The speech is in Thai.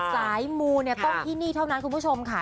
สายมูเนี่ยต้องที่นี่เท่านั้นคุณผู้ชมค่ะ